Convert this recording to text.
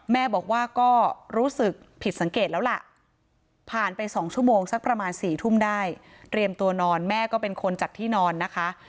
แม่บอกว่าก็รู้สึกผิดสังเกตแล้วล่ะผ่านไป๒ชั่วโมงสักประมาณ๔ทุ่มได้เตรียมตัวนอนแม่ก็เป็นคนจัดที่นอนนะคะ